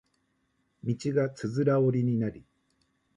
道がつづら折りになり